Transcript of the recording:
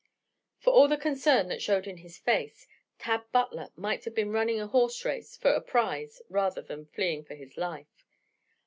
For all the concern that showed in his face, Tad Butler might have been running a horse race for a prize rather than fleeing for his life.